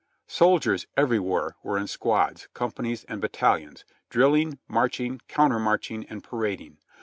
Sol diers everj where were in squads, companies and battalions, drill ing, marching, counter marching and parading.